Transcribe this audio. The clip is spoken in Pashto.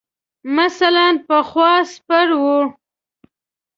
مثلاً پخوا سپر ؤ.